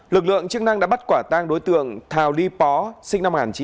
lực lượng chức năng đã bắt quả tang đối tượng thào ly pó sinh năm một nghìn chín trăm tám mươi